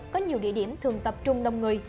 có nhiều địa điểm thường tập trung đông người